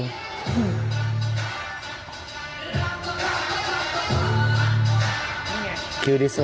นี่ไงคิวดิสรับ